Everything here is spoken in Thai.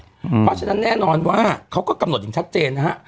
เพราะฉะนั้นแน่นอนว่าเขาก็กำหนดอย่างชัดเจนนะฮะ